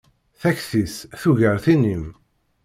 Takti-s tugar tin-im.